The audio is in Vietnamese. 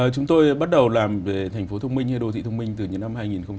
chúng tôi bắt đầu làm về thành phố thông minh như đô thị thông minh từ những năm hai nghìn một mươi tám